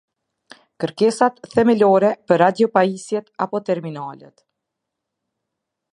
Kërkesat themelore për radio pajisjet apo terminalet.